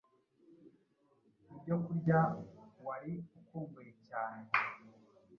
ibyo kurya wari ukumbuye cyane